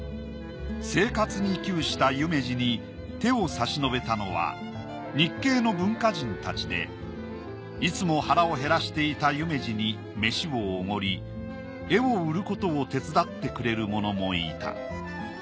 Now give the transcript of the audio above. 生活に窮した夢二に手を差し伸べたのは日系の文化人たちでいつも腹を減らしていた夢二に飯をおごり絵を売ることを手伝ってくれる者もいた。